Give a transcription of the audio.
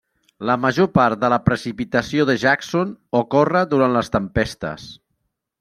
La major part de la precipitació de Jackson ocorre durant les tempestes.